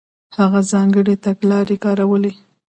هغه ځانګړې تګلارې کارولې.